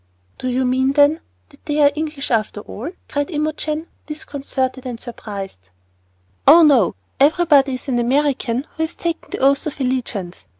"Do you mean, then, that they are English, after all?" cried Imogen, disconcerted and surprised. "Oh, no. Every body is an American who has taken the oath of allegiance.